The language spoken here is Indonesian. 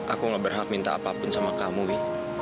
aku gak berhak minta apapun sama kamu ya